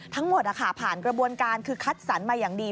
ทั้งหมดผ่านกระบวนการคือคัดสรรมาอย่างดี